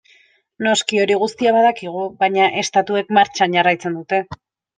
Noski hori guztia badakigu, baina estatuek martxan jarraitzen dute.